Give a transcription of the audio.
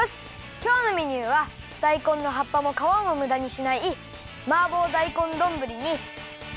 きょうのメニューはだいこんの葉っぱもかわもむだにしないマーボーだいこんどんぶりにきまり！